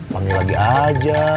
panggil lagi aja